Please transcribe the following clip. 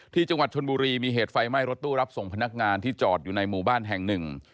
ที่จังหวัดชนบุรีมีเหตุไฟไหม้รถตู้รับส่งพนักงานที่จอดอยู่ในหมู่บ้านแห่งหนึ่ง